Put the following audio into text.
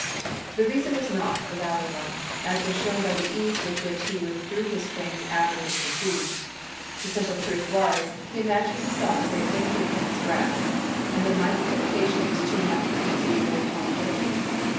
The reason was not a valid one, as was shown by the ease with which he withdrew his trains after his defeat; the simple truth was, he imagined he saw a great victory in his grasp, and the mighty temptation was too much for his usual calm judgment.